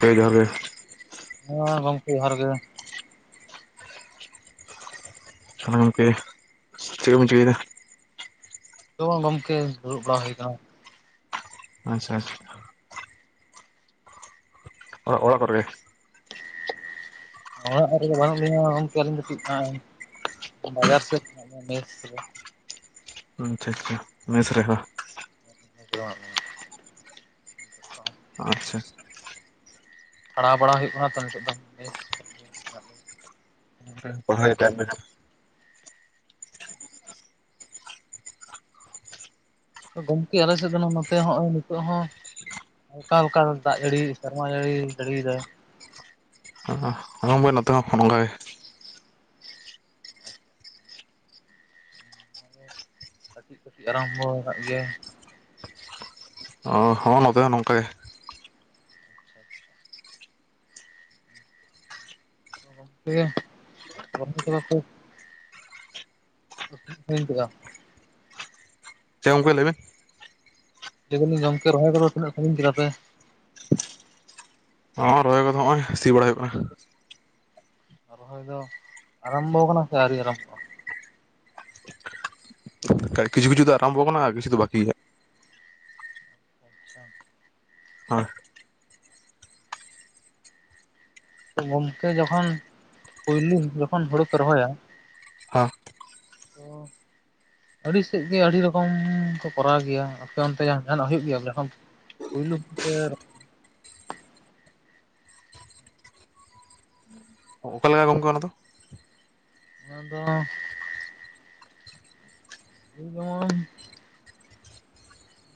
ᱠᱮ ᱡᱚᱸᱦᱟᱨ ᱜᱮ᱾ ᱦᱮᱸ ᱜᱚᱢᱠᱮ ᱡᱚᱸᱦᱟᱨ ᱜᱮ᱾ [inaudible] ᱜᱚᱝᱠᱮ ᱪᱮᱫ ᱠᱚᱵᱮᱱ ᱪᱮᱠᱟᱭᱫᱟ? [inaudible] ᱜᱚᱢᱠᱮ ᱫᱩᱲᱩᱵ ᱵᱟᱲᱟ ᱦᱩᱭ ᱟᱠᱟᱱᱟ᱾ ᱟᱪᱪᱷᱟ᱾ ᱚᱲᱟᱜ ᱚᱲᱟᱜ ᱠᱚᱨᱮ ᱜᱮ? ᱚᱲᱟᱜ ᱨᱮᱫᱚ ᱵᱟᱹᱱᱩᱜ ᱞᱤᱧᱟ ᱜᱚᱢᱠᱮ ᱟᱹᱞᱤᱧ ᱫᱚ [inaudible] ᱵᱟᱡᱟᱨ ᱥᱮᱫ [inaudible] ᱦᱩᱸ ᱪᱷᱟ ᱪᱷᱟ ᱢᱮᱥ ᱨᱮ ᱵᱟᱦ? [inaudible] ᱟᱨ ᱪᱷᱟ᱾ ᱯᱟᱲᱟᱣ ᱵᱟᱲᱟ ᱦᱩᱭᱩᱜ ᱠᱟᱱᱟ ᱛᱚ ᱱᱤᱛᱚᱜ ᱫᱚ᱾ [unintelligible] ᱜᱚᱢᱠᱮ ᱟᱞᱮ ᱥᱮᱫ ᱫᱚ ᱱᱚ ᱱᱚᱛᱮ ᱦᱚᱸᱜ-ᱚᱭ ᱱᱤᱛᱳᱜ ᱦᱚᱸ ᱦᱟᱞᱠᱟ ᱠᱟ ᱫᱟᱜ ᱡᱟᱹᱲᱤ ᱥᱮᱨᱢᱟ ᱡᱟᱹᱲᱤ ᱡᱟᱹᱲᱤᱭᱫᱟᱭ᱾ ᱚᱸ ᱦᱚᱸ ᱜᱚᱢᱠᱮ ᱱᱚᱛᱮ ᱦᱚᱸ ᱚᱱᱠᱟ ᱜᱮ᱾ ᱠᱟᱹᱴᱤᱡ ᱠᱟᱹᱴᱤᱡ ᱟᱨᱟᱢᱵᱚᱣ ᱠᱟᱫ ᱜᱮᱭᱟ᱾ ᱚ ᱦᱚᱸ ᱱᱚᱛᱮ ᱦᱚᱸ ᱱᱚᱝᱠᱟ ᱜᱮ᱾ [unintelligible] [unintelligible] ᱪᱮᱜ ᱜᱚᱢᱠᱮ ᱞᱟᱹᱭ ᱢᱮ ᱞᱮᱫᱟᱞᱤᱧ ᱜᱚᱢᱠᱮ ᱨᱚᱦᱚᱭ ᱠᱚᱫᱚ ᱛᱤᱱᱟᱹᱜ ᱥᱟᱺᱜᱤᱧ ᱠᱮᱫᱟ ᱯᱮ? ᱚᱸ ᱨᱚᱦᱚᱭ ᱠᱚᱫᱚ ᱦᱚᱸᱜ-ᱚᱭ ᱥᱤ ᱵᱟᱲᱟᱭ ᱦᱩᱭᱩᱜ ᱠᱟᱱᱟ᱾ ᱨᱚᱦᱚᱭ ᱫᱚ ᱟᱨᱟᱢᱵᱚᱣ ᱠᱟᱱᱟ ᱥᱮ ᱟᱹᱣᱨᱤ ᱟᱨᱟᱢᱵᱚ? ᱠᱤᱪᱷᱩ ᱠᱤᱪᱷᱩ ᱫᱚ ᱟᱨᱟᱢᱵᱚᱣ ᱠᱟᱱᱟ ᱠᱤᱪᱷᱩ ᱫᱚ ᱵᱟᱠᱤ ᱜᱮᱭᱟ᱾ [inaudible] ᱦᱚᱭ ᱜᱚᱢᱠᱮ ᱡᱚᱠᱷᱚᱱ ᱯᱩᱭᱞᱩ ᱡᱚᱠᱷᱚᱱ ᱦᱩᱲᱩ ᱯᱮ ᱨᱚᱦᱚᱭᱟ ᱦᱟ ᱚ ᱟᱹᱰᱤ ᱥᱮᱫ ᱜᱮ ᱟᱹᱰᱤ ᱨᱚᱠᱚᱢ ᱠᱚ ᱠᱚᱨᱟᱣ ᱜᱮᱭᱟ ᱟᱯᱮ ᱚᱱᱛᱮ ᱡᱟᱦᱟᱱᱟᱜ ᱦᱩᱭᱩᱜ ᱜᱮᱭᱟ? [unintelligible] ᱚᱠᱟ ᱞᱮᱠᱟ ᱜᱚᱝᱠᱮ ᱚᱱᱟ ᱫᱚ? ᱚᱱᱟ ᱫᱚ ᱮᱭ ᱡᱮᱢᱚᱱ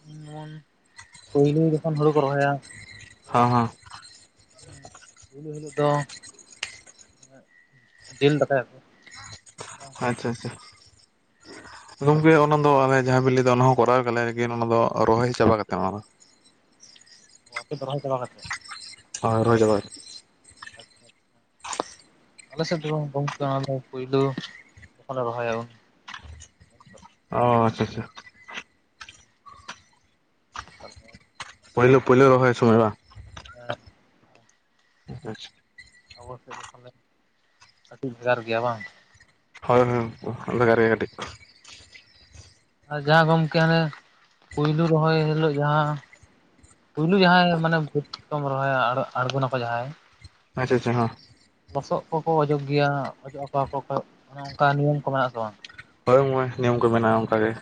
ᱡᱮᱢᱚᱱ ᱯᱩᱭᱞᱩ ᱡᱚᱠᱷᱚᱱ ᱦᱩᱲᱩ ᱠᱚ ᱨᱚᱦᱚᱭᱟ ᱦᱟᱸ ᱦᱟᱸ ᱩᱱ ᱦᱤᱞᱳᱜ ᱫᱚ ᱡᱤᱞ ᱫᱟᱠᱟᱭᱟᱠᱚ, ᱟᱪᱷᱟ ᱟᱪᱷᱟ ᱜᱚᱢᱠᱮ ᱚᱱᱟ ᱫᱚ ᱟᱞᱮ ᱡᱟᱦᱟᱸ ᱵᱤᱱ ᱞᱟᱹᱭ ᱫᱟ ᱚᱱᱟ ᱦᱚᱸ ᱠᱚᱨᱟᱣ ᱜᱮᱭᱟᱞᱮ ᱞᱮᱠᱤᱱ ᱚᱱᱟ ᱫᱚ ᱨᱚᱦᱚᱭ ᱪᱟᱵᱟ ᱠᱟᱛᱮᱜ ᱚᱱᱟ ᱫᱚ᱾ ᱚ ᱟᱯᱮ ᱫᱚ ᱨᱚᱦᱚᱭᱟ ᱪᱟᱵᱟ ᱠᱟᱛᱮᱫ ᱦᱳᱭ ᱨᱚᱦᱚᱭ ᱪᱟᱵᱟᱨ ᱟᱪᱪᱷᱟ ᱟᱞ ᱥᱮᱫ ᱫᱚ ᱜᱚᱝ ᱜᱚᱝᱠᱮ ᱚᱱᱟ ᱯᱩᱭᱞᱳ ᱡᱚᱠᱷᱚᱱ ᱞᱮ ᱨᱚᱦᱚᱭᱟ ᱩᱱ ᱦᱤᱞᱳᱜ ᱚ ᱪᱷᱟ ᱪᱷᱟ [unintelligible] ᱯᱳᱭᱞᱳ ᱯᱳᱭᱞᱳ ᱨᱚᱦᱚᱭ ᱥᱚᱢᱚᱭ ᱵᱟ ᱦᱮᱸ ᱟᱪᱷᱟ ᱟᱵᱚ ᱥᱮᱫ ᱫᱚ ᱛᱟᱦᱞᱮ ᱠᱟᱹᱴᱤᱜ ᱵᱷᱮᱜᱟᱨ ᱜᱮᱭᱟ ᱵᱟᱝ? ᱦᱳᱭ ᱦᱳᱭ ᱩᱱᱠᱩ ᱵᱷᱮᱜᱟᱨ ᱜᱮ ᱠᱟᱹᱴᱤᱡ ᱟᱨ ᱡᱟᱦᱟᱸ ᱜᱚᱢᱠᱮ ᱚᱱᱮ ᱯᱩᱭᱞᱩ ᱨᱚᱦᱚᱭ ᱦᱤᱞᱳᱜ ᱡᱟᱦᱟᱸ ᱯᱩᱭᱞᱩ ᱡᱟᱦᱟᱸᱭ ᱢᱟᱱᱮ ᱵᱷᱩᱛ ᱠᱚᱢ ᱨᱚᱦᱚᱭᱟ ᱟᱬᱜᱚᱱᱟᱠᱚ ᱡᱟᱦᱟᱸᱭ ᱟᱪᱷᱟ ᱟᱪᱷᱟ ᱦᱚᱸ ᱞᱚᱥᱚᱜ ᱠᱚᱠᱚ ᱚᱡᱚᱜ ᱜᱮᱭᱟ ᱚᱡᱚᱜ ᱟᱠᱚᱣᱟ ᱠᱚ ᱚᱱᱮ ᱚᱱᱠᱟ ᱱᱤᱭᱚᱢ ᱠᱚ ᱢᱮᱱᱟᱜ ᱟᱥᱮ ᱵᱟᱝ? ᱦᱳᱭ ᱚᱱᱟ ᱱᱤᱭᱚᱢ ᱠᱚ ᱢᱮᱱᱟᱜᱼᱟ ᱚᱱᱠᱟ ᱜᱮ ᱾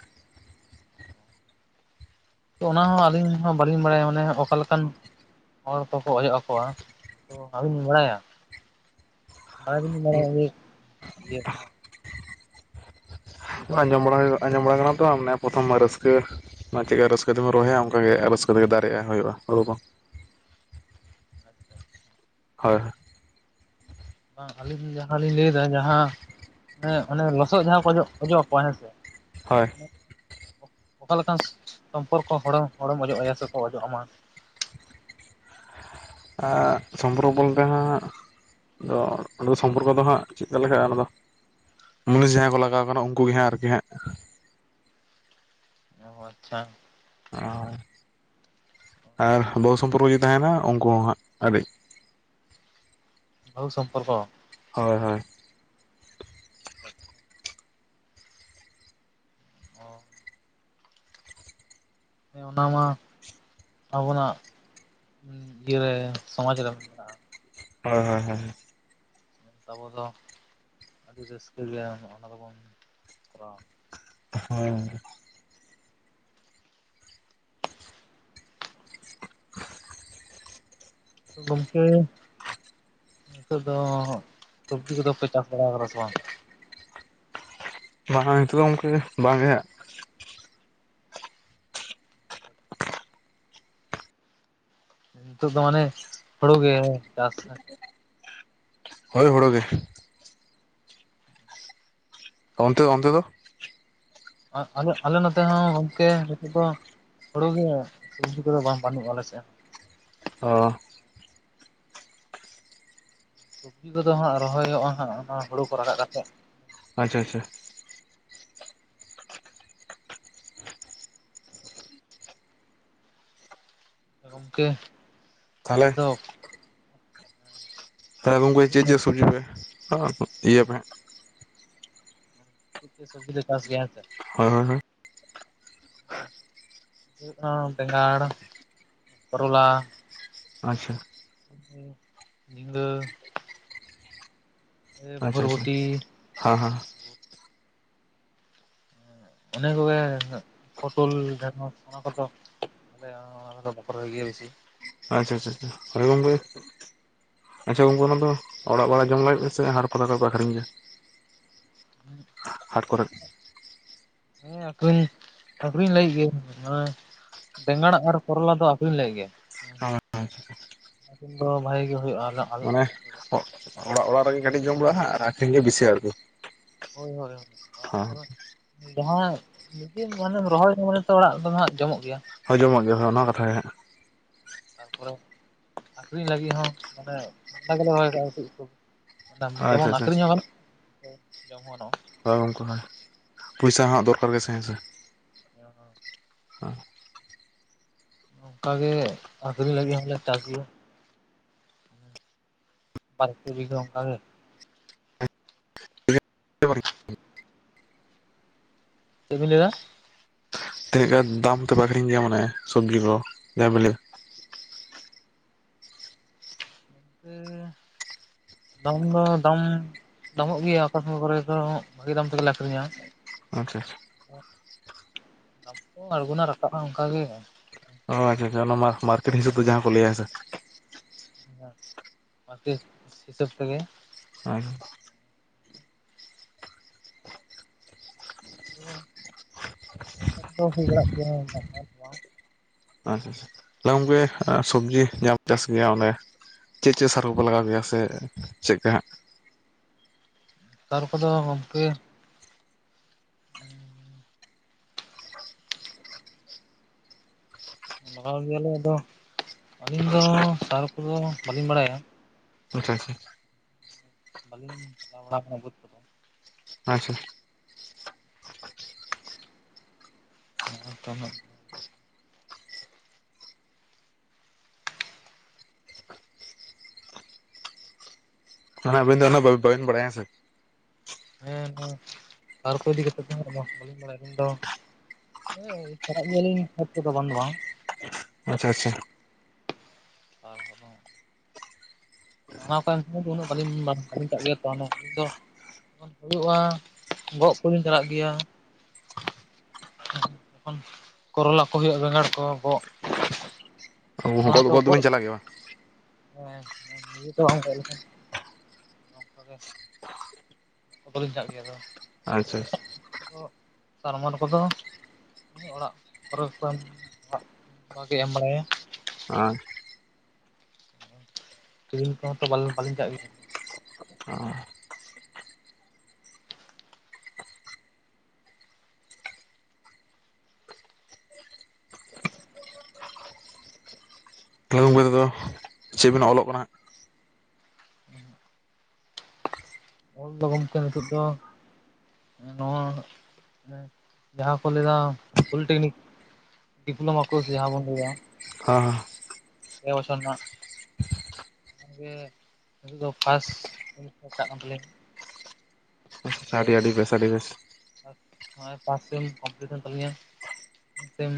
ᱛᱚ ᱚᱱᱟ ᱦᱚᱸ ᱟᱹᱞᱤᱧ ᱦᱚᱸ ᱵᱟᱹᱞᱤᱧ ᱵᱟᱲᱟᱭᱟ ᱢᱟᱱᱮ ᱚᱠᱟ ᱞᱮᱠᱟᱱ ᱦᱚᱲ ᱠᱚᱠᱚ ᱚᱡᱚᱜ ᱟᱠᱚᱣᱟ! ᱵᱟᱵᱤᱱ ᱵᱟᱲᱟᱭᱟ, ᱵᱟᱲᱟᱭ ᱫᱚ ᱞᱤᱧ ᱵᱟᱲᱟᱭᱟ ᱡᱮ ᱤᱭᱟᱹ ᱟᱸᱡᱚᱢ ᱵᱟᱲᱟ ᱦᱩᱭ ᱟᱸᱡᱚᱢ ᱵᱟᱲᱟ ᱟᱠᱟᱱᱟ ᱛᱚ ᱢᱟᱱᱮ ᱯᱨᱚᱛᱷᱚᱢ ᱵᱟᱨ ᱨᱟᱹᱥᱠᱟᱹ ᱚᱱᱟ ᱪᱮᱫ ᱠᱟ ᱨᱟᱹᱥᱠᱟᱹ ᱛᱮᱵᱚᱱ ᱨᱚᱦᱚᱭᱟ ᱚᱝᱠᱟ ᱜᱮ ᱨᱟᱹᱥᱠᱟᱹ ᱛᱮᱜᱮ ᱫᱟᱨᱮᱜᱼᱟ ᱦᱩᱭᱩᱜᱼᱟ ᱦᱩᱲᱩ ᱠᱚ ᱾ ᱦᱳᱭ ᱾ ᱟᱹᱞᱤᱧ ᱡᱟᱦᱟᱸ ᱞᱤᱧ ᱞᱟᱹᱭᱫᱟ ᱡᱟᱦᱟᱸ ᱦᱮᱸ ᱚᱱᱮ ᱞᱚᱥᱚᱫ ᱡᱟᱦᱟᱸ ᱠᱚ ᱚᱡᱚᱜ ᱚᱡᱚᱜ ᱟᱠᱚᱣᱟ ᱦᱮᱸᱥᱮ ᱾ ᱦᱳᱭ ᱾ ᱚᱠᱟ ᱞᱮᱠᱟᱱ ᱥᱚᱢᱯᱚᱨᱠᱚ ᱦᱚᱲ ᱦᱚᱲᱮᱢ ᱚᱡᱚᱜ ᱟᱭᱟ ᱥᱮᱠᱚ ᱚᱡᱚᱜ ᱟᱢᱟ? ᱟᱸᱻ ᱥᱚᱢᱯᱚᱨᱠᱚ ᱵᱚᱞᱛᱮ ᱦᱟᱸᱜ ᱟᱫᱚ ᱚᱸᱰᱮ ᱫᱚ ᱥᱚᱢᱯᱚᱨᱠᱚ ᱫᱚ ᱦᱟᱸᱜ ᱪᱮᱫᱠᱟ ᱞᱮᱠᱟᱜᱼᱟ ᱚᱱᱟ ᱫᱚ ᱢᱩᱱᱤᱥ ᱡᱟᱦᱟᱸᱭ ᱠᱚ ᱞᱟᱜᱟᱣ ᱠᱟᱱᱟ ᱩᱝᱠᱩ ᱜᱮ ᱦᱟᱸᱜ ᱟᱨᱠᱤ ᱦᱟᱸᱜ ᱚ ᱟᱪᱪᱷᱟ ᱾ ᱚᱻ ᱟᱨ ᱵᱟᱹᱦᱩ ᱥᱚᱢᱯᱩᱨᱠᱚ ᱡᱩᱫᱤ ᱛᱟᱦᱮᱱᱟ ᱩᱱᱠᱩ ᱦᱚᱸ ᱦᱟᱸᱜ ᱟᱹᱰᱤ ᱵᱟᱹᱦᱩ ᱥᱚᱢᱯᱚᱨᱠᱚ! ᱦᱳᱭ ᱦᱳᱭ ᱾ [inaudible] ᱦᱮᱸ ᱚᱱᱟ ᱢᱟ ᱟᱵᱚᱱᱟᱜ ᱤᱭᱟᱹᱨᱮ ᱥᱚᱢᱟᱡᱽ ᱨᱮ ᱢᱮᱱᱟᱜᱼᱟ ᱦᱳᱭ ᱦᱳᱭ ᱦᱳᱭ ᱾ ᱟᱵᱚ ᱫᱚ ᱟᱹᱰᱤ ᱨᱟᱹᱥᱠᱟᱹ ᱜᱮ ᱚᱱᱟ ᱫᱚᱵᱚᱱ ᱠᱚᱨᱟᱣᱟ ᱾ ᱦᱮᱸ ᱾ ᱜᱚᱝᱠᱮ ᱱᱤᱛᱚᱜ ᱫᱚ ᱥᱚᱵᱽᱡᱤ ᱠᱚᱫᱚᱯᱮ ᱪᱟᱥ ᱵᱟᱲᱟ ᱠᱟᱫᱟ ᱥᱮ ᱵᱟᱝ? ᱵᱟᱝ ᱱᱤᱛᱚᱜ ᱫᱚ ᱜᱚᱢᱠᱮ ᱵᱟᱝ ᱜᱮ ᱦᱟᱹᱜ ᱾ ᱱᱤᱛᱚᱜ ᱫᱚ ᱢᱟᱱᱮ ᱦᱳᱲᱳ ᱜᱮ ᱪᱟᱥ ᱦᱳᱭ ᱦᱳᱲᱳ ᱜᱮ ᱾ ᱚᱱᱛᱮ ᱚᱱᱛᱮ ᱫᱚ? ᱟ-ᱟᱞᱮ ᱟᱞᱮ ᱱᱚᱛᱮ ᱦᱚᱸ ᱜᱚᱢᱠᱮ ᱱᱤᱛᱚᱜ ᱫᱚ ᱦᱩᱲᱩ ᱜᱮ ᱥᱚᱵᱽᱡᱤ ᱠᱚᱫᱚ ᱵᱟᱝ ᱵᱟᱹᱱᱩᱜ ᱟᱞᱮ ᱥᱮᱫ ᱦᱚᱸ ᱾ ᱚ ᱾ ᱥᱚᱵᱽᱡᱤ ᱠᱚᱫᱚ ᱦᱟᱸᱜ ᱨᱚᱦᱚᱭᱚᱜᱼᱟ ᱦᱟᱸᱜ ᱚᱱᱟ ᱦᱩᱲᱩ ᱠᱚ ᱨᱟᱠᱟᱵ ᱠᱟᱛᱮᱜ ᱾ ᱟᱪᱪᱷᱟ ᱟᱪᱪᱷᱟ ᱾ ᱜᱚᱝᱠᱮ ᱟᱯᱮ ᱛᱟᱦᱚᱞᱮ ᱫᱚ? ᱦᱮᱸ ᱜᱚᱝᱠᱮ ᱪᱮᱫ ᱪᱮᱫ ᱥᱚᱵᱽᱡᱤ ᱯᱮ ᱦᱟᱸ ᱤᱭᱟᱹ ᱯᱮ? ᱪᱮᱜ ᱪᱮᱜ ᱥᱚᱵᱽᱡᱤ ᱞᱮ ᱪᱟᱥ ᱜᱮᱭᱟ ᱦᱮᱸ ᱥᱮ? ᱦᱳᱭ ᱦᱳᱭ ᱦᱳᱭ ᱾ ᱦᱩᱭᱩᱜ ᱠᱟᱱᱟ ᱵᱮᱸᱜᱟᱲ, ᱠᱚᱨᱚᱞᱟ, ᱟᱪᱪᱷᱟ ᱾ ᱩᱸ ᱡᱷᱤᱸᱜᱟᱹ, ᱟᱪᱪᱷᱟ ᱟᱪᱪᱷᱟ, ᱵᱷᱚᱨᱵᱚᱴᱤ ᱦᱟᱸ ᱦᱟᱸ ᱾ ᱤᱱᱟᱹ ᱠᱚᱜᱮ ᱯᱚᱴᱚᱞ, ᱰᱷᱮᱲᱚᱥ ᱚᱱᱟ ᱠᱚᱫᱚ ᱟᱞᱮᱭᱟᱜ ᱚᱱᱟ ᱠᱚᱫᱚ ᱵᱚᱠᱚ ᱨᱚᱦᱚᱭ ᱜᱮᱭᱟ ᱵᱮᱥᱤ ᱾ ᱟᱪᱪᱷᱟ ᱟᱪᱪᱷᱟ ᱟᱪᱪᱷᱟ, ᱦᱳᱭ ᱜᱚᱢᱠᱮ ᱾ ᱟᱪᱪᱷᱟ ᱜᱚᱝᱠᱮ ᱚᱱᱟ ᱫᱚ ᱚᱲᱟᱜ ᱵᱟᱲᱟ ᱡᱚᱢ ᱞᱟᱹᱜᱤᱫ ᱜᱮ ᱥᱮ, ᱦᱟᱴ ᱯᱟᱛᱟ ᱠᱚ ᱨᱮ ᱯᱮ ᱟᱹᱠᱷᱨᱤᱧ ᱜᱮᱭᱟ? ᱦᱩᱸ ᱦᱟᱴ ᱠᱚᱨᱮ? ᱦᱮᱸ ᱟᱹᱠᱷᱨᱤᱧ, ᱟᱹᱠᱷᱨᱤᱧ ᱞᱟᱹᱜᱤᱫ ᱜᱮ ᱱᱚᱜ-ᱚᱭ ᱵᱮᱸᱜᱟᱲ ᱟᱨ ᱠᱚᱨᱚᱞᱟ ᱫᱚ ᱟᱹᱠᱷᱨᱤᱧ ᱞᱟᱹᱜᱤᱫ ᱜᱮ᱾ [unintelligible] ᱩᱱ ᱫᱚ ᱵᱷᱟᱹᱜᱤ ᱜᱮ ᱦᱩᱭᱩᱜ-ᱟ᱾ ᱢᱟᱱᱮ ᱚᱲᱟᱜ ᱚᱲᱟᱜ ᱨᱮᱜᱮ ᱠᱟᱹᱴᱤᱡ ᱡᱚᱢ ᱵᱟᱲᱟᱜ-ᱟ ᱦᱟᱸᱜ ᱟᱨ ᱟᱹᱠᱷᱨᱤᱧ ᱜᱮ ᱵᱮᱥᱤ ᱟᱨᱠᱤ? ᱦᱳᱭ ᱦᱳᱭ ᱚᱲᱟᱜ ᱦᱮᱸ ᱠᱚᱨᱮ᱾ ᱡᱟᱦᱟᱸ ᱢᱤᱴᱤᱱ ᱡᱟᱱᱮᱢ ᱨᱚᱦᱚᱭ ᱢᱟᱱᱮ ᱛᱚ ᱚᱲᱟᱜ ᱫᱚ ᱦᱟᱸᱜ ᱡᱚᱢᱚᱜ ᱜᱮᱭᱟ᱾ ᱦᱳᱭ ᱡᱚᱢᱚᱜ ᱜᱮ, ᱦᱳᱭ ᱚᱱᱟ ᱠᱟᱛᱷᱟ ᱜᱮ ᱦᱟᱸᱜ ᱛᱟᱯᱚᱨᱮ ᱟᱹᱠᱷᱨᱤᱧ ᱞᱟᱹᱜᱤᱫ ᱦᱚᱸ ᱢᱟᱱᱮ ᱚᱱᱟ ᱜᱮᱞᱮ ᱨᱚᱦᱚᱭ ᱠᱟᱜ-ᱟᱭ ᱠᱟᱹᱡ ᱠᱟᱹᱡ᱾ ᱦᱟᱸᱜ ᱟᱪᱪᱷᱟ ᱡᱮᱢᱚᱱ ᱟᱪᱪᱷᱟ ᱟᱹᱠᱷᱨᱤᱧ-ᱚᱜ ᱜᱟᱱᱚᱜ ᱡᱚᱢ ᱦᱚᱸ ᱜᱟᱱᱚᱜ-ᱟ᱾ ᱦᱳᱭ ᱜᱚᱢᱠᱮ ᱦᱳᱭ᱾ ᱯᱩᱭᱥᱟ ᱦᱟᱸᱜ ᱫᱚᱨᱠᱟᱨ ᱜᱮ ᱥᱮ ᱦᱮᱸ ᱥᱮ? ᱚ ᱦᱚᱸ ᱟᱸ ᱱᱚᱝᱠᱟ ᱜᱮ ᱟᱹᱠᱷᱨᱤᱧ ᱞᱟᱹᱜᱤᱫ ᱦᱚᱸᱞᱮ ᱪᱟᱥ ᱜᱮᱭᱟ᱾ ᱵᱟᱨ ᱠᱤᱨᱤ ᱫᱚ ᱚᱱᱠᱟ ᱜᱮ᱾ [inaudible] ᱪᱮᱫ ᱵᱤᱱ ᱞᱟᱹᱭ ᱮᱫᱟ? ᱛᱤᱱᱟᱹᱜ ᱜᱟᱱ ᱫᱟᱢ ᱛᱮ ᱟᱹᱠᱷᱨᱤᱧ ᱜᱮᱭᱟ ᱢᱟᱱᱮ ᱥᱚᱵᱽᱡᱤ ᱠᱚ ᱡᱟᱦᱟᱸ ᱵᱮᱱ ᱞᱟᱹᱭ ᱩᱸ ᱫᱚᱢ ᱫᱚ ᱫᱚᱢ ᱫᱟᱢᱚᱜ ᱜᱮᱭᱟ ᱚᱠᱟ ᱥᱚᱢᱚᱭ ᱠᱚᱨᱮ ᱫᱚ ᱵᱷᱟᱹᱜᱤ ᱫᱟᱢ ᱛᱮᱼᱜᱮᱞᱮ ᱟᱹᱠᱷᱨᱤᱧᱟ᱾ ᱟᱪᱪᱷᱟ ᱟᱪᱷᱟ, [unintelligible] ᱟᱬᱜᱳᱱᱟ ᱨᱟᱠᱟᱵ-ᱟ ᱚᱱᱠᱟᱜ ᱜᱮ᱾ ᱚ ᱟᱪᱷᱟ ᱟᱪᱷᱟ ᱚᱱᱟ ᱢᱟ ᱢᱟᱨᱠᱮᱴ ᱦᱤᱥᱟᱹᱵᱽ ᱫᱚ ᱡᱟᱦᱟᱸ ᱠᱚ ᱞᱟᱹᱭ ᱦᱮᱸᱥᱮ᱾ [inaudible] ᱢᱟᱨᱠᱮᱴ ᱦᱤᱥᱟᱹᱵᱽ ᱛᱮᱜᱮ᱾ [unintelligible] [unintelligible] ᱯᱚᱭᱥᱟ ᱠᱚᱫᱚ ᱦᱩᱭ ᱵᱟᱲᱟᱜ ᱜᱮᱭᱟ ᱵᱟᱝ [unintelligible] ᱟᱪᱪᱷᱟ ᱟᱪᱪᱷᱟ ᱜᱚᱝᱠᱮ ᱥᱚᱵᱽᱡᱤ ᱧᱟᱢ ᱪᱟᱥ ᱜᱮᱭᱟ ᱚᱸᱰᱮ ᱪᱮᱫ ᱪᱮᱫ ᱥᱟᱨ ᱠᱚᱯᱮ ᱞᱟᱜᱟᱣ ᱜᱮᱭᱟ ᱥᱮ ᱪᱮᱫ ᱠᱟ ᱦᱟᱸᱜ? ᱥᱟᱨ ᱠᱚᱫᱚ ᱜᱚᱝᱠᱮ, [unintelligible] ᱞᱟᱜᱟᱣ ᱜᱮᱭᱟᱞᱮ ᱟᱫᱚ ᱟᱹᱞᱤᱧ ᱫᱚ ᱥᱟᱨ ᱠᱚᱫᱚ ᱵᱟᱹᱞᱤᱧ ᱵᱟᱲᱟᱭᱟ᱾ ᱟᱪᱪᱷᱟ ᱟᱪᱪᱷᱟ, ᱵᱟᱞᱤᱧ ᱪᱟᱞᱟᱣ ᱵᱟᱲᱟ ᱠᱟᱱᱟ ᱵᱟᱹᱫᱽ ᱠᱚᱫᱚ᱾ ᱟᱪᱪᱷᱟ, [unintelligible] ᱢᱟᱱᱮ ᱟᱹᱵᱤᱱ ᱫᱚ ᱩᱱᱟᱹᱜ ᱵᱟ-ᱵᱮᱱ ᱵᱟᱲᱟᱭ ᱦᱮᱸᱥᱮ᱾ ᱦᱮᱸ ᱦᱮᱸ ᱛᱟᱨᱠᱚ ᱤᱫᱤ ᱠᱟᱛᱮ ᱫᱚ ᱦᱟᱸᱜ ᱵᱟᱹᱞᱤᱧ ᱵᱟᱲᱟᱭᱟ ᱟᱞᱤᱧ ᱫᱚ᱾ ᱦᱳᱭ ᱪᱟᱞᱟᱜ ᱜᱮᱭᱟ ᱞᱤᱧ ᱦᱟᱴ ᱠᱚᱫᱚ ᱵᱟᱝ ᱫᱚ ᱵᱟᱝ᱾ ᱟᱪᱪᱷᱟ ᱟᱪᱷᱟ [unintelligible] ᱱᱚᱣᱟ ᱠᱚ ᱮᱢ ᱥᱚᱢᱚᱭ ᱫᱚ ᱩᱱᱟᱹᱜ ᱵᱟᱹᱞᱤᱧ ᱵᱟᱹᱞᱤᱧ ᱪᱟᱜ ᱜᱮᱭᱟ ᱛᱚ ᱚᱱᱟ ᱠᱷᱟᱹᱛᱤᱨ ᱫᱚ᱾ ᱦᱩᱭᱩᱜ-ᱟ, ᱜᱚᱜ ᱠᱚᱞᱤᱧ ᱪᱟᱞᱟᱜ ᱜᱮᱭᱟ᱾ ᱚᱱ ᱠᱚᱨᱚᱞᱟ ᱠᱚ ᱦᱩᱭᱩᱜᱼᱟ ᱵᱮᱸᱜᱟᱲ ᱠᱚ ᱜᱚᱜ ᱚᱱᱟ ᱠᱚ ᱫᱚᱵᱤᱱ ᱜᱚᱫ ᱪᱟᱞᱟᱜ ᱜᱮᱭᱟ ᱵᱟᱝ ᱮᱸ [unintelligible] ᱱᱚᱝᱠᱟ ᱜᱮ, [unintelligible] ᱞᱤᱧ ᱫᱟᱜ ᱜᱮᱭᱟ ᱫᱚ, ᱟᱪᱪᱷᱟ ᱟᱼᱼ ᱚᱜ ᱛᱟᱨᱢᱚᱱ ᱠᱚᱫᱚ ᱩᱸ ᱚᱲᱟᱜ ᱯᱚᱨᱮ ᱠᱷᱚᱱ ᱚᱲᱟᱜ ᱵᱷᱟᱜᱽ ᱮ ᱮᱢ ᱵᱟᱲᱟᱭᱟ᱾ ᱟᱻ ᱯᱷᱤᱞᱤᱢ ᱠᱚᱦᱚᱸ ᱛᱚ ᱵᱟᱞᱮᱱ ᱵᱟᱹᱞᱤᱧ ᱜᱟᱜ ᱜᱮᱭᱟ, ᱦᱚᱸ, [unintelligible] ᱛᱮᱫᱚ, ᱪᱮᱫ ᱵᱤᱱ ᱚᱞᱚᱜ ᱠᱟᱱᱟ ᱦᱟᱸᱜ? ᱚᱞ ᱫᱚ ᱜᱚᱝᱠᱮ ᱱᱤᱛᱚᱜ ᱫᱚ ᱮᱸ ᱱᱚᱶᱟ ᱦᱮᱸ ᱡᱟᱦᱟᱸ ᱠᱚ ᱞᱟᱹᱭ ᱮᱫᱟ ᱯᱚᱞᱤᱴᱮᱠᱱᱤᱠ ᱰᱤᱯᱞᱳᱢᱟ ᱠᱳᱨᱥ ᱡᱟᱦᱟᱸ ᱵᱚᱱ ᱞᱟᱹᱭᱟ᱾ ᱦᱟᱸ ᱦᱟᱸ᱾ ᱮ ᱵᱚᱪᱷᱚᱨ ᱱᱷᱟᱸᱜ ᱠᱷᱚᱱ ᱜᱮ, ᱯᱟᱹᱦᱤᱞ ᱫᱚ ᱯᱟᱥ [unintelligible] ᱛᱟᱹᱞᱤᱧ᱾ ᱟᱹᱰᱤ ᱟᱹᱰᱤ ᱵᱮᱥ ᱟᱹᱰᱤ ᱵᱮᱥ᱾ ᱟᱫ ᱱᱚᱜᱼᱚᱭ ᱯᱟᱥ ᱥᱤᱢ ᱠᱚᱢᱯᱤᱞᱤᱴ ᱮᱱ ᱛᱟᱞᱤᱧᱟ, [unintelligible] ᱥᱤᱢ,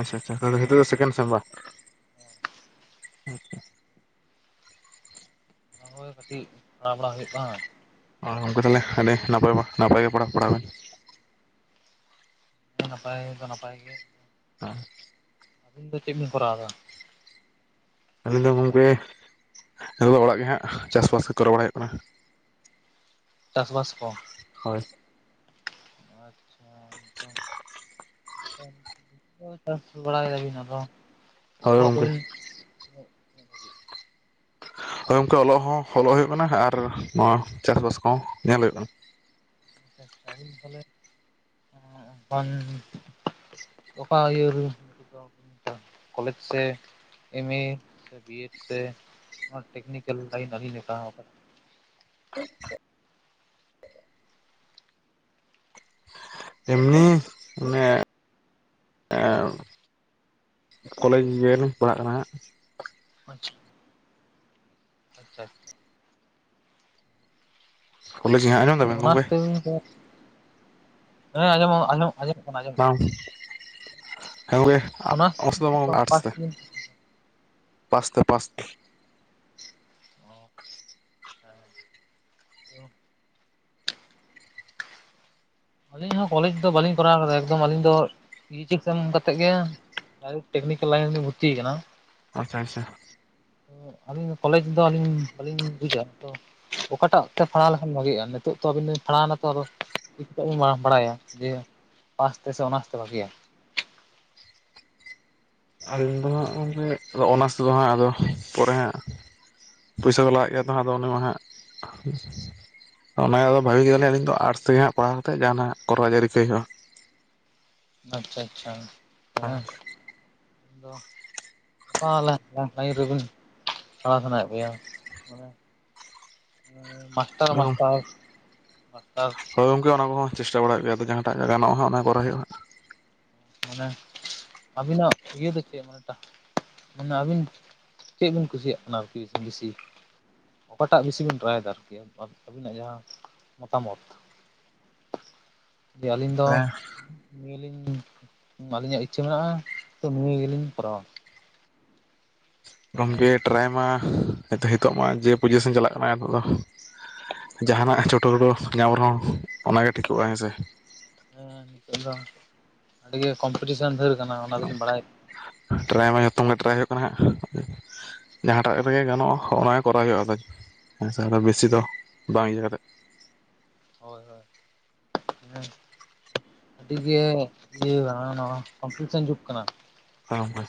ᱟᱪᱪᱷᱟ ᱟᱪᱪᱷᱟ ᱛᱚ ᱛᱟᱦᱮᱞᱮ ᱱᱤᱛᱚᱜ ᱫᱚ ᱥᱮᱠᱮᱱ ᱥᱚᱢ ᱵᱟ? ᱦᱮᱸ, ᱚᱸᱦᱚᱭ ᱠᱟᱹᱴᱤᱡ ᱫᱟᱬᱟ ᱵᱟᱲᱟ ᱦᱩᱭᱩᱜ ᱠᱟᱱᱟ᱾ ᱟᱨ ᱜᱚᱝᱠᱮ ᱛᱟᱦᱮᱞᱮ ᱦᱟᱸᱰᱮ ᱱᱟᱯᱟᱭ ᱵᱟ ᱱᱟᱯᱟᱭ ᱜᱮ ᱯᱟᱲᱟ ᱯᱟᱲᱟᱣ ᱠᱟᱱ᱾ ᱱᱟᱯᱟᱭ ᱫᱚ ᱱᱟᱯᱟᱭ ᱜᱮ᱾ ᱟ, ᱟᱹᱵᱤᱱ ᱫᱚ ᱪᱮᱫ ᱵᱤᱱ ᱠᱚᱨᱟᱣ ᱮᱫᱟ? ᱟᱹᱞᱤᱧ ᱫᱚ ᱜᱚᱝᱠᱮᱻᱦ ᱱᱤᱛᱚᱜ ᱫᱚ ᱚᱲᱟᱜ ᱜᱮ ᱦᱟᱸᱜ ᱪᱟᱥ ᱵᱟᱥ ᱜᱮ ᱠᱚᱨᱟᱣ ᱵᱟᱲᱟ ᱦᱩᱭᱩᱜ ᱠᱟᱱᱟ᱾ ᱪᱟᱥ ᱵᱟᱥ ᱠᱚ? ᱦᱚᱭ᱾ ᱟᱪᱪᱷᱟ, ᱱᱤᱛᱚᱝ [unintelligible] ᱪᱟᱥ ᱵᱟᱲᱟ ᱭᱮᱫᱟ ᱵᱤᱱ ᱟᱫᱚ ᱦᱳᱭ ᱚᱞᱚᱜ ᱜᱚᱢᱠᱮ᱾ ᱫᱚᱵᱤᱱ ᱦᱳᱭ ᱜᱚᱝᱠᱮ ᱚᱞᱚᱜ ᱦᱚᱸ ᱦᱚᱞᱚᱜ ᱦᱩᱭᱩᱜ ᱠᱟᱱᱟ ᱟᱨ ᱱᱚᱣᱟ ᱪᱟᱥ ᱵᱟᱥ ᱠᱚᱦᱚᱸ ᱧᱮᱞ ᱦᱩᱭᱩᱜ ᱠᱟᱱᱟ᱾ ᱟᱪᱪᱷᱟ, ᱟᱹᱵᱤᱱ ᱫᱚ ᱛᱟᱦᱮᱞᱮ ᱮᱸ ᱮᱱᱠᱷᱟᱱ ᱚᱠᱟ ᱤᱭᱟᱹ ᱨᱮ [inaudible] ᱱᱮᱛᱚ ᱠᱚᱞᱮᱡᱽ ᱥᱮ, ᱮᱢ ᱮ, ᱥᱮ ᱵᱤ ᱮᱰ ᱥᱮ ᱚᱱᱟ ᱴᱮᱠᱱᱤᱠᱮᱞ ᱞᱟᱹᱭᱤᱱ ᱟᱹᱫᱷᱤᱧ ᱡᱚᱴᱟᱣ ᱟᱠᱟᱫᱟ᱾ [inaudible] ᱮᱢᱱᱤ ᱢᱟᱱᱮᱻᱦ ᱮᱸᱻ ᱚᱸ ᱠᱚᱞᱮᱡᱽ ᱧᱮ‌ᱞ ᱯᱟᱲᱦᱟᱜ ᱠᱟᱱᱟ ᱱᱷᱟᱸᱜ, ᱟᱪᱪᱷᱟ, ᱟᱪᱪᱷᱟ ᱟᱪ- ᱠᱚᱞᱮᱡᱽ ᱱᱷᱟᱸᱜ ᱮᱢ ᱚᱱᱟᱥ ᱛᱮᱦᱩᱧ [unintelligible] ᱦᱮᱸ ᱟᱸᱡᱚᱢᱚᱜ ᱟᱸᱡᱚᱢ ᱟᱸᱡᱚᱢᱚᱜ ᱠᱟᱱᱟ ᱟᱸᱡᱚᱢ [unintelligible] ᱦᱮᱸ ᱜᱚᱝᱠᱮ ᱟ ᱚᱱᱟᱨᱥ ᱟᱥ ᱫᱚ ᱵᱟᱝᱼᱟ, ᱟᱴᱥ ᱯᱷᱟᱥᱴ ᱛᱮ᱾ ᱤᱭᱟᱨ ᱯᱟᱥ ᱛᱮ ᱯᱟᱥ ᱛᱮ᱾ ᱟᱹᱞᱤᱧ ᱦᱚᱸ ᱠᱚᱞᱮᱡᱽ ᱫᱚ ᱵᱟᱹᱞᱤᱧ ᱠᱚᱨᱟᱣ ᱟᱠᱟᱫᱟ ᱮᱠᱫᱚᱢ ᱟᱹᱞᱤᱧ ᱫᱚ ᱜᱨᱤᱡᱤᱠ ᱥᱮᱱ ᱠᱟᱛᱮᱜ ᱜᱮ ᱴᱮᱠᱱᱤᱠᱮᱞ ᱞᱟᱭᱤᱱ ᱨᱮ ᱵᱷᱚᱨᱛᱤ ᱠᱟᱱᱟ᱾ ᱟᱪᱪᱷᱟ ᱟᱪᱪᱷᱟ ᱟᱹᱞᱤᱧ ᱠᱚᱞᱮᱡᱽ ᱫᱚ ᱟᱹᱞᱤᱧ ᱵᱟᱹᱞᱤᱧ ᱵᱩᱡᱟ ᱛᱚ ᱚᱠᱟᱴᱟᱜ ᱛᱮ ᱯᱷᱟᱲᱟᱣ ᱞᱮᱠᱷᱟᱱ ᱵᱷᱟᱹᱜᱤᱜ-ᱟ ᱱᱤᱛᱳᱜ ᱛᱚ ᱟᱵᱤᱱ ᱵᱤᱱ ᱯᱟᱲᱦᱦᱟᱣᱱᱟ ᱛᱚ ᱟᱫᱚ [unintelligible] ᱵᱟᱲᱟᱭᱟ ᱡᱮ ᱯᱟᱥ ᱛᱮ ᱥᱮ ᱚᱱᱟᱨᱥ ᱛᱮ ᱵᱷᱟᱜᱮᱭᱟ? ᱟᱞᱤᱧ ᱫᱚ ᱦᱟᱸᱜ ᱜᱚᱝᱠᱮ ᱟᱫᱚ ᱚᱱᱟᱨᱥ ᱛᱮᱫᱚ ᱦᱟᱸᱜ ᱟᱫᱚ ᱯᱚᱨᱮ ᱦᱟᱸᱜ ᱯᱩᱭᱥᱟ ᱠᱚ ᱞᱟᱜᱟᱜ ᱜᱮᱭᱟ ᱛᱚ ᱦᱟᱸᱜ ᱟᱫᱚ ᱚᱱᱮ ᱚᱱᱮ ᱚᱱᱟ ᱫᱚ ᱵᱷᱟᱹᱜᱤ ᱜᱮ ᱛᱟᱦᱚᱞᱮ ᱱᱤᱛᱚᱜ ᱟᱨᱥ ᱛᱮᱜᱮ ᱦᱟᱸᱜ ᱯᱟᱲᱦᱟᱣ ᱠᱟᱛᱮᱜ ᱡᱟᱦᱟᱱᱟᱜ ᱠᱚᱨᱚᱡ ᱟᱹᱨᱤ [unintelligible] ᱟᱪᱪᱷᱟ ᱟᱪᱪᱷᱟ ᱦᱮᱸ [unintelligible] ᱫᱟᱲᱟ ᱥᱟᱱᱟᱭᱮᱜ ᱢᱮᱭᱟ᱾ ᱢᱟᱥᱴᱟᱨ ᱢᱟᱥᱴᱟᱨ ᱫᱚ ᱦᱳᱭ ᱜᱚᱝᱠᱮ ᱚᱱᱟ ᱠᱚᱦᱚᱸ ᱪᱮᱥᱴᱟ ᱵᱟᱲᱟ ᱭᱮᱜ ᱜᱮ ᱟᱫᱚ ᱡᱟᱦᱟᱸᱴᱟᱜ ᱜᱮ ᱜᱟᱱᱚᱜ-ᱟ ᱚᱱᱟ ᱠᱚᱨᱟ ᱦᱩᱭᱩᱜ-ᱟ᱾ ᱟᱹᱵᱤᱱᱟᱜ ᱤᱭᱟᱹ ᱫᱚ ᱪᱮᱫ [unintelligible] ᱢᱟᱱᱮ ᱟᱹᱵᱤᱱ ᱪᱮᱫ ᱵᱤᱱ ᱠᱩᱥᱤᱭᱟᱜ ᱠᱟᱱᱟ ᱟᱨᱠᱤ ᱵᱤᱥᱤ ᱚᱠᱟᱴᱟᱜ ᱵᱤᱥᱤ ᱵᱤᱱ ᱴᱨᱟᱭ ᱫᱟ ᱟᱨᱠᱤ [unintelligible] ᱡᱮ ᱟᱹᱞᱤᱧ ᱫᱚ ᱦᱟᱸᱜ [unintelligible] ᱟᱹᱞᱤᱧᱟᱜ ᱤᱪᱪᱷᱟᱹ ᱢᱮᱱᱟᱜ-ᱟ ᱛᱚ ᱱᱤᱭᱟᱹ ᱜᱮᱞᱤᱧ ᱠᱚᱨᱟᱣᱟ᱾ ᱦᱮᱸ ᱜᱚᱝᱠᱮ ᱴᱨᱟᱭ ᱢᱟ ᱱᱤᱛᱚ ᱦᱮᱛᱚᱜ ᱢᱟ ᱡᱮ ᱯᱚᱡᱤᱥᱮᱱ ᱪᱟᱞᱟᱜ ᱠᱟᱱᱟ ᱱᱤᱛᱚᱜ ᱫᱚ ᱡᱟᱦᱟᱱᱟᱜ ᱪᱷᱳᱴᱳ ᱜᱳᱴᱳ ᱧᱟᱢ ᱨᱮᱦᱚᱸ ᱚᱱᱟᱜᱮ ᱴᱷᱤᱠᱚᱜᱼᱟ ᱦᱮᱸᱥᱮ᱾ ᱟᱫᱚ ᱱᱤᱜᱮ ᱠᱚᱢᱯᱤᱴᱤᱥᱮᱱ ᱫᱷᱟᱹᱨ ᱠᱟᱱᱟ ᱚᱱᱟ ᱫᱚᱞᱤᱧ ᱵᱟᱲᱟᱭ ᱴᱨᱟᱭ ᱢᱟ ᱡᱷᱚᱛᱚᱢ ᱜᱮ ᱴᱨᱟᱭ ᱦᱳᱭᱳᱜ ᱠᱟᱱᱟ ᱦᱟᱸᱜ᱾ ᱡᱟᱦᱟᱸᱴᱟᱜ ᱨᱮᱜᱮ ᱜᱟᱱᱚᱜ-ᱟ ᱚᱱᱟ ᱜᱮ ᱠᱚᱨᱟᱣ ᱦᱳᱭᱳᱜ-ᱟ ᱟᱫᱚ ᱦᱮᱸ ᱥᱮ ᱟᱫᱚ ᱵᱮᱥᱤ ᱫᱚ ᱵᱟᱝ ᱤᱭᱟᱹ ᱠᱟᱛᱮᱫ [inaudible] ᱡᱮ ᱤᱭᱟᱹ ᱠᱟᱱᱟ ᱱᱚᱣᱟ ᱠᱚᱢᱯᱤᱴᱤᱥᱮᱱ ᱡᱩᱜᱽ ᱠᱟᱱᱟ᱾ ᱦᱮᱸ ᱜᱚᱝᱠᱮ᱾